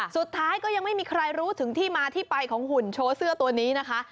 สุดท้ายก็ยังไม่มีใครรู้ถึงที่มาที่ไปของหุ่นโชว์เสื้อตัวนี้นะคะ